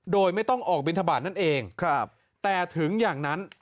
โดยไม่ต้องออกบินทบาทนั่นเองครับแต่ถึงอย่างนั้น